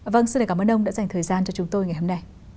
vâng xin cảm ơn ông đã dành thời gian cho chúng tôi ngày hôm nay